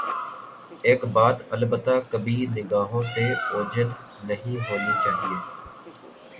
ایک بات البتہ کبھی نگاہوں سے اوجھل نہیں ہونی چاہیے۔